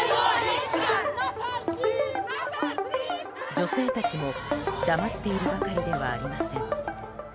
女性たちも黙っているばかりではありません。